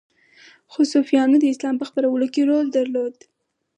خو صوفیانو د اسلام په خپرولو کې رول درلود